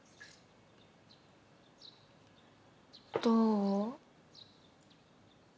どう？